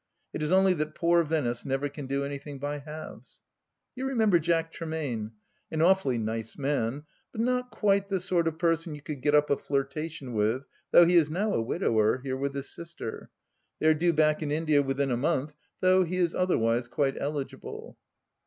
It is only that poor Venice never can do anything by halves. You remember Jack Tremaine ? An awfully nice man, but not quite the sort of person you could get up a flirtation with, though he is now a widower, here with his sister. They are due back in India within a month, though he is otherwise quite eligible.